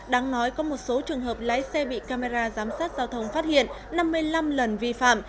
đáng nói có một số trường hợp lái xe bị camera giám sát giao thông phát hiện năm mươi năm lần vi phạm